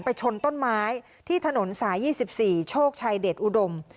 ชนต้นไม้ที่ถนนสาย๒๔โชคชัยเดชอุดม